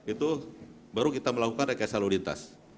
itu baru kita melakukan rekayasa lalu lintas